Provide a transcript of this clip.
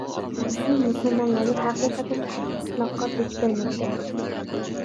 مىسىر مۇسۇلمانلىرى ھەقىقەتەن قاتتىق سىناققا دۇچ كەلمەكتە.